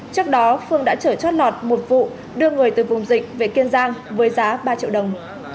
trước đó phương đã trở chót lọt một vụ đưa người từ vùng dịch về kiên giang với giá ba triệu đồng